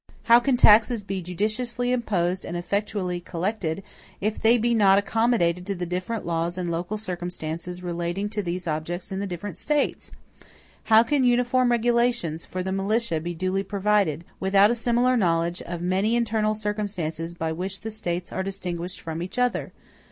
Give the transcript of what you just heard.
How can taxes be judiciously imposed and effectually collected, if they be not accommodated to the different laws and local circumstances relating to these objects in the different States? How can uniform regulations for the militia be duly provided, without a similar knowledge of many internal circumstances by which the States are distinguished from each other?